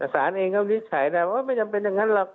สรรค์เองก็ริจฉัยว่าไม่จำเป็นอย่างนั้นหรอก